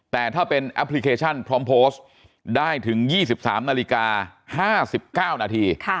แต่ถ้าเป็นแอปพลิเคชันพร้อมโพสต์ได้ถึง๒๓นาฬิกา๕๙นาที